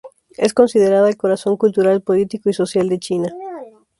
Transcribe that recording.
Es considerada el corazón cultural, político y social de China.